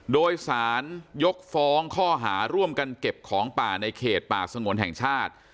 โดยสารยกฟ้องข้อหาร่วมกันเก็บของป่าในเขตป่าสงวนแห่งชาติ